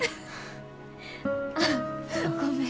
ああごめん。